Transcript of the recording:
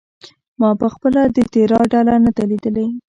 ما پخپله د تیراه ډله نه ده لیدلې.